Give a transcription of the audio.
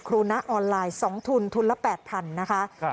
ครูนะออนไลน์สองทุนทุนละแปดพันนะคะครับ